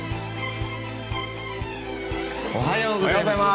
おはようございます。